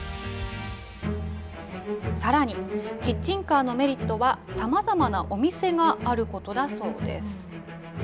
さらにキッチンカーのメリットは、さまざまなお店があることだそうです。